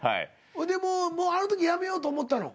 ほんでもうあの時やめようと思ったの？